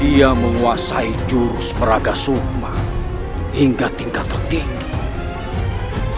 dia menguasai jurus peragas summa hingga tingkat tertinggi